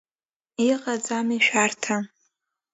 Иҟаӡами шәарҭа?